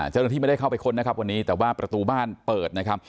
เจ้าหน้าที่ไม่ได้เข้าไปค้นนะครับวันนี้แต่ว่าประตูบ้านเปิดนะครับ